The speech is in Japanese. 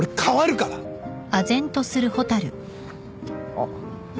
あっ。